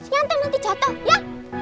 singgah nanti jatuh ya